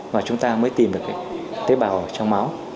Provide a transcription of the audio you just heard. và chúng ta mới tìm được tế bào trong máu